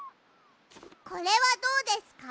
これはどうですか？